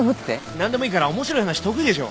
何でもいいから面白い話得意でしょ。